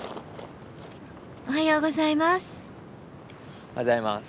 おはようございます。